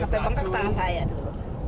tapi bengkak di tangan saya dulu